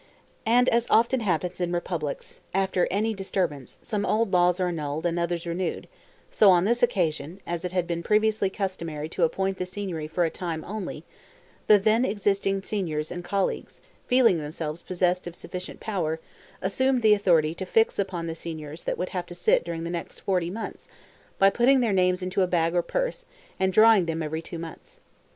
And as happens in republics, after any disturbance, some old laws are annulled and others renewed, so on this occasion, as it had been previously customary to appoint the Signory for a time only, the then existing Signors and the Colleagues, feeling themselves possessed of sufficient power, assumed the authority to fix upon the Signors that would have to sit during the next forty months, by putting their names into a bag or purse, and drawing them every two months.